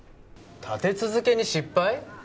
立て続けに失敗？